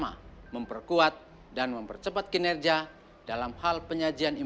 aparat penegak hukum